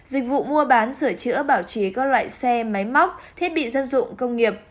dịch vụ mua bán sửa chữa bảo trí các loại xe máy móc thiết bị dân dụng công nghiệp